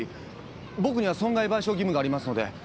僕には損害賠償義務がありますので。